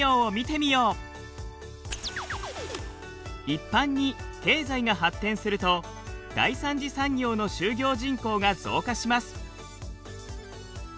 一般に経済が発展すると第３次産業の就業人口が増加します。